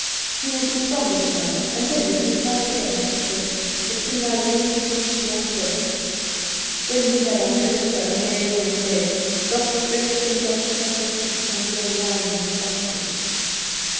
"You will be stronger tomorrow, and then we shall try again," he said, but she neither looked at him nor stirred. When he had undressed her, and laid her in bed, Doss stretched himself across her feet and lay whining softly.